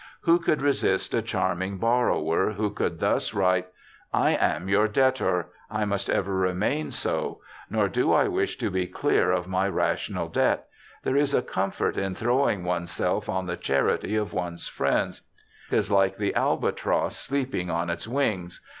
Who could resist a charm ing borrower who could thus write :' I am your debtor ; I must ever remain so ; nor do I wish to be clear of my rational debt ; there is a comfort in throwing oneself on the charity of one's friends— 'tis like the albatross sleep ing on its wings.